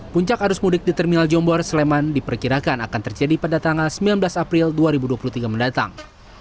puncak arus mudik di terminal jombor sleman diperkirakan akan terjadi pada tanggal sembilan belas april dua ribu dua puluh tiga mendatang